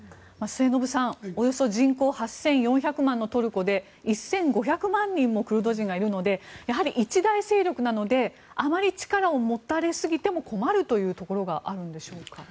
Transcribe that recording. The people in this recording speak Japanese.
末延さん、およそ人口８４００万のトルコで１５００万人もクルド人がいるのでやはり一大勢力なのであまり力を持たれすぎても困るというところがあるんでしょうか。